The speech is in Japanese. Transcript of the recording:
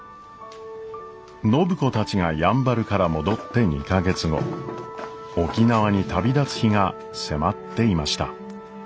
暢子たちがやんばるから戻って２か月後沖縄に旅立つ日が迫っていました。